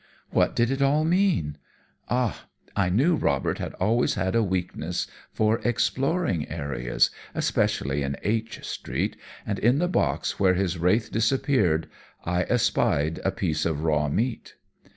What did it all mean? Ah! I knew Robert had always had a weakness for exploring areas, especially in H Street, and in the box where his wraith disappeared I espied a piece of raw meat!